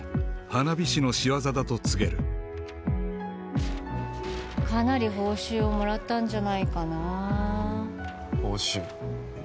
花火師の仕業だと告げるかなり報酬をもらったんじゃないかな報酬？